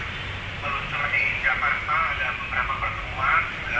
dan saya akan berterima kasih kepada bima arya